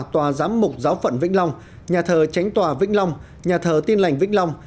tòa giám mục giáo phận vĩnh long nhà thờ tránh tòa vĩnh long nhà thờ tin lành vĩnh long